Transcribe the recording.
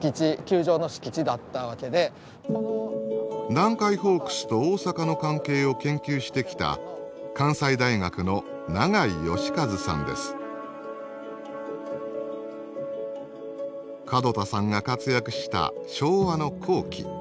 南海ホークスと大阪の関係を研究してきた門田さんが活躍した昭和の後期。